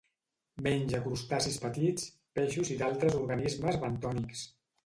Menja crustacis petits, peixos i d'altres organismes bentònics.